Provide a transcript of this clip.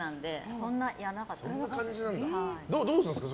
どうするんですか